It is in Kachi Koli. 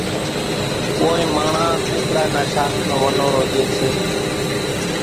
ڪونئين ماڻۿان ڪُوڪڙا نا شاک نو ونورو ڄيَ سي۔